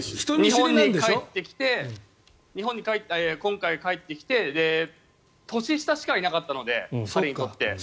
日本に今回帰ってきて年下しかいなかったので彼にとって。